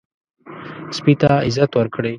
سپي ته عزت ورکړئ.